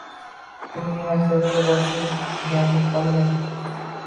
Bugungi maktablar boshi gangib qolgan.